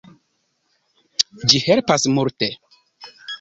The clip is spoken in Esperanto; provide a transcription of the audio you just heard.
Ĝi helpas multe.